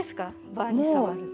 バーに触るって。